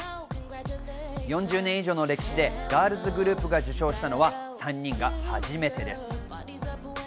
４０年以上の歴史でガールズグループが受賞したのは３人が初めてです。